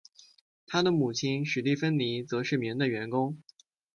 他的母亲史蒂芬妮则是名的员工。